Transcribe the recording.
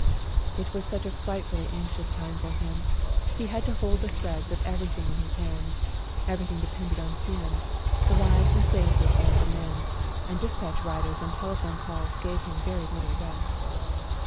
It was such a frightfully anxious time for him, he had to hold the threads of every thing in his hands; everything depended on him, the lives and safety of all the men, and despatch riders and telephone calls gave him very little rest.